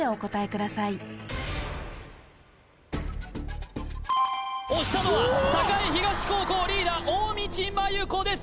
ください押したのは栄東高校リーダー・大道麻優子です